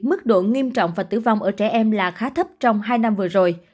mức độ nghiêm trọng và tử vong ở trẻ em là khá thấp trong hai năm vừa rồi